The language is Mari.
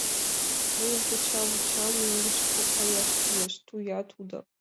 — Мыйым кочай вуча... мӧҥгышкӧ каяш кӱлеш, — тӱя тудо.